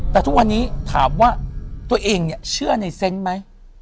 แต่ทุกวันนี้ถามว่าตัวเองเนี่ยเชื่อในเซนต์ไหม